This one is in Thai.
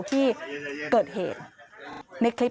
ปรับ